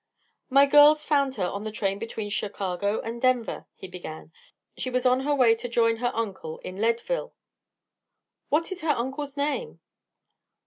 "My girls found her on the train between Chicago and Denver," he began. "She was on her way to join her uncle in Leadville." "What is her uncle's name?"